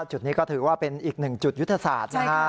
จุดนี้ก็ถือว่าเป็นอีกหนึ่งจุดยุทธศาสตร์นะฮะ